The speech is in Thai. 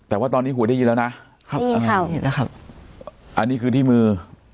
อันนี้คือที่มือ